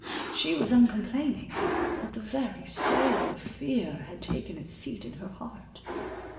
She was uncomplaining; but the very soul of fear had taken its seat in her heart.